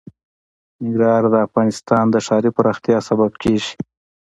ننګرهار د افغانستان د ښاري پراختیا سبب کېږي.